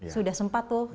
sudah sempat tuh